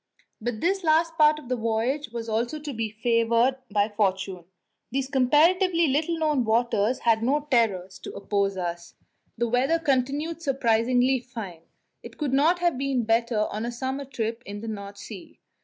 But this last part of the voyage was also to be favoured by fortune. These comparatively little known waters had no terrors to oppose to us. The weather continued surprisingly fine; it could not have been better on a summer trip in the North Sea.